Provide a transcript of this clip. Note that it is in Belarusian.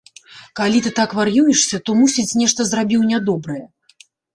Калі ты так вар'юешся, то, мусіць, нешта зрабіў нядобрае.